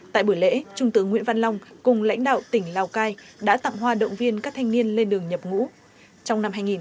tại buổi lễ trung tướng nguyễn văn long cùng lãnh đạo tỉnh lào cai đã tặng hoa động viên các thanh niên lên đường nhập ngũ